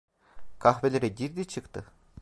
Kahvelere girdi çıktı…